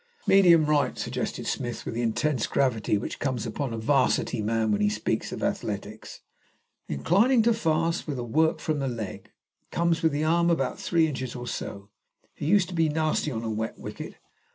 "Medium right," suggested Smith, with the intense gravity which comes upon a 'varsity man when he speaks of athletics. "Inclining to fast, with a work from leg. Comes with the arm about three inches or so. He used to be nasty on a wet wicket.